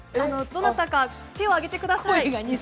どなたか手を挙げてください。